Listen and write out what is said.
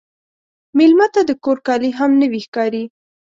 مېلمه ته د کور کالي هم نوی ښکاري.